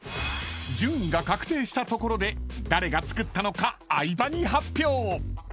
［順位が確定したところで誰が作ったのか相葉に発表］